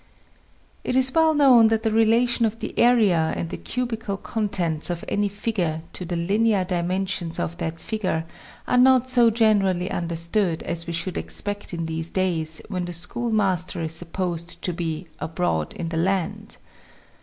It is well known that the relation of the area and the cubical contents of any figure to the linear dimensions of that figure are not so generally understood as we should expect in these days when the schoolmaster is supposed to be "abroad in the land."